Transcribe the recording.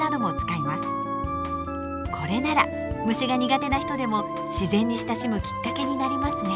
これなら虫が苦手な人でも自然に親しむきっかけになりますね。